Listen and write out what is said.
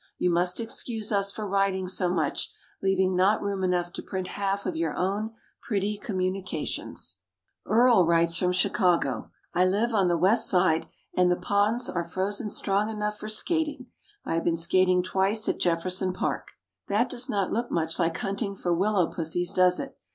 You must excuse us for writing so much, leaving not room enough to print half of your own pretty communications. "Earl" writes from Chicago: "I live on the West Side, and the ponds are frozen strong enough for skating. I have been skating twice at Jefferson Park." That does not look much like hunting for willow "pussies," does it?